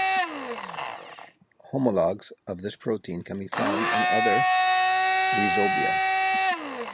Homologues of this protein can be found in other rhizobia.